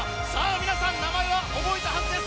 皆さん、名前は覚えたはずです。